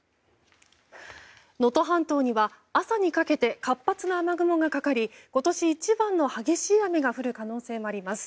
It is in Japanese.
能登半島には朝にかけて活発な雨雲がかかり今年一番の激しい雨が降る可能性もあります。